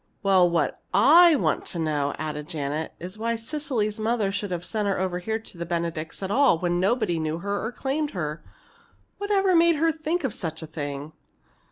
"Well, what I want to know," added Janet, "is why Cecily's mother should have sent her over here to the Benedicts' at all, when nobody knew her or claimed her. Whatever made her think of such a thing?"